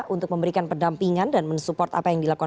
untuk memberikan pendampingan dan mensupport apa yang dilakukan